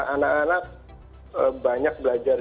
anak anak banyak belajar